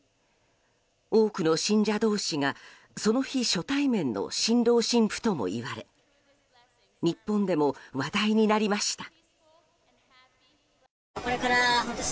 多くの信者同士がその日、初対面の新郎新婦ともいわれ日本でも話題になりました。